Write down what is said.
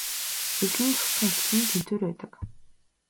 Эвлэн зохицохын эхлэл нь тэнцвэр байдаг.